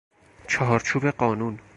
چارچوب قانون